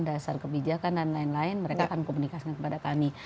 dasar kebijakan dan lain lain mereka akan komunikasikan kepada kami